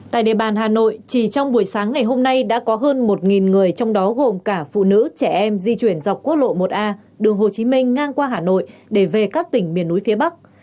tại địa bàn hà nội chỉ trong buổi sáng ngày hôm nay đã có hơn một người trong đó gồm cả phụ nữ trẻ em di chuyển dọc quốc lộ một a đường hồ chí minh ngang qua hà nội để về các tỉnh miền núi phía bắc